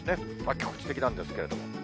局地的なんですけれども。